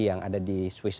yang ada di swiss